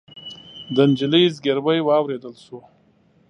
د نجلۍ زګيروی واورېدل شو.